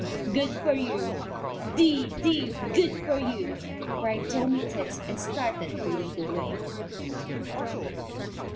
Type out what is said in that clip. "Good for you! Dee, dee, good for you!" cried Tommy Tit, and started to lead the way.